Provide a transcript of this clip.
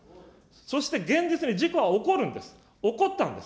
そして現実に事故は起こるんです、起こったんです。